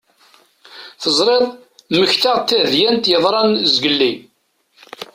Teẓriḍ mmektaɣ-d tadyant yeḍran zgelli.